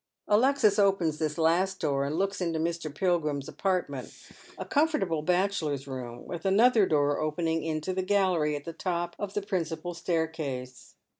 Alexis opens this last door and looks into Mr. Pilgrim's apart ment, a comfortable bachelor's room, with another door opening int» the gallery at the top of the principal staircase.